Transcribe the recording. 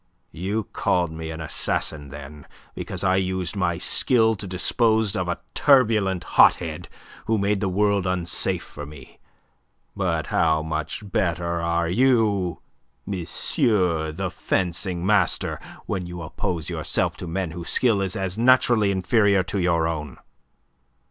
"You called me an assassin then, because I used my skill to dispose of a turbulent hot head who made the world unsafe for me. But how much better are you, M. the fencing master, when you oppose yourself to men whose skill is as naturally inferior to your own!"